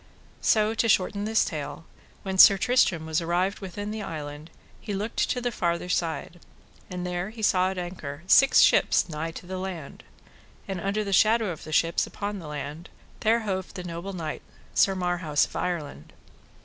So to shorten this tale, when Sir Tristram was arrived within the island he looked to the farther side, and there he saw at an anchor six ships nigh to the land; and under the shadow of the ships upon the land, there hoved the noble knight, Sir Marhaus of Ireland.